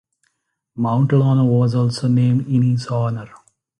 Mount Llano was also named in his honor.